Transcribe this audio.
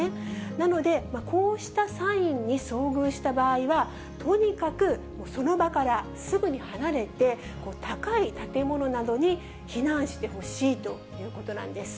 なので、こうしたサインに遭遇した場合は、とにかくその場からすぐに離れて、高い建物などに避難してほしいということなんです。